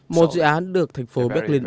một dự án được thành phố berlin ủng hộ